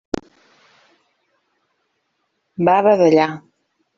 Va badallar.